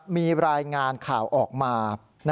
มีรายงานข่าวออกมา